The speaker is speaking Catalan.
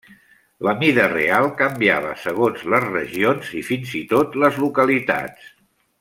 La mida real canviava segons les regions i, fins i tot, les localitats.